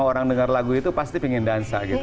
orang dengar lagu itu pasti pingin dansa gitu